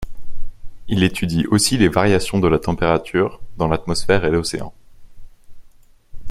Il étudie aussi les variations de la température dans l'atmosphére et l'océan.